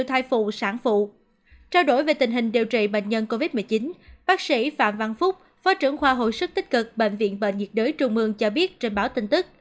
theo tình hình điều trị bệnh nhân covid một mươi chín bác sĩ phạm văn phúc phó trưởng khoa hội sức tích cực bệnh viện bệnh nhiệt đới trung mương cho biết trên báo tin tức